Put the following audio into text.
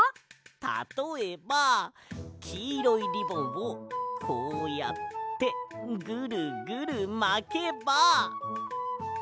たとえばきいろいリボンをこうやってグルグルまけば。